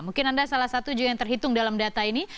mungkin anda salah satu juga yang terhitung dalam data ini